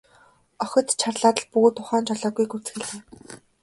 Охид чарлаад л бүгд ухаан жолоогүй гүйцгээлээ.